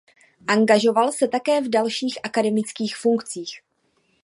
Angažoval se také v dalších akademických funkcích.